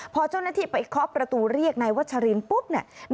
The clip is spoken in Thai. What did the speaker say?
พอเจ้าหน้าที่ไปเคาะประตูเรียกนายวัชรินปุ๊บเนี่ย